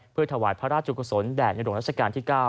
เพื่อถวายพระราชกุศลแด่ในหลวงราชการที่๙